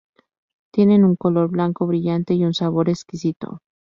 Tienen un color blanco brillante y un sabor exquisito.